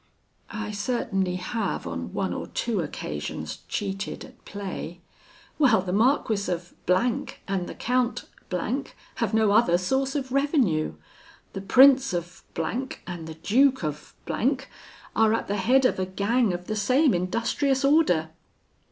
"'I certainly have on one or two occasions cheated at play. Well, the Marquis of and the Count have no other source of revenue. The Prince of and the Duke of are at the head of a gang of the same industrious order.'